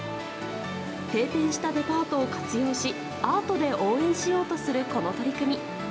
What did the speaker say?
閉店したデパートを活用しアートで応援しようとするこの取り組み。